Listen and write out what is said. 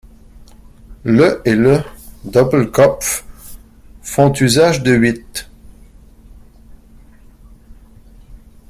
Le et le Doppelkopf font usage de huit '.